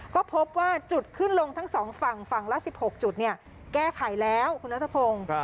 ก็พบว่าจุดขึ้นลงทั้งสองฝั่งฝั่งละ๑๖จุดแก้ไขแล้วคุณนัทพงศ์